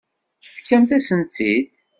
Tefkamt-asent-tt-id.